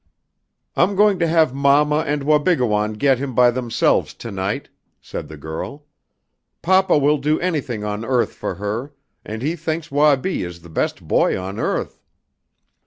"I'm going to have mamma and Wabigoon get him by themselves to night," said the girl. "Papa will do anything on earth for her, and he thinks Wabi is the best boy on earth.